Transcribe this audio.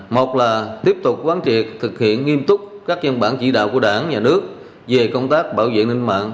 một là tiếp tục quán triệt thực hiện nghiêm túc các dân bản chỉ đạo của đảng nhà nước về công tác bảo vệ ninh mạng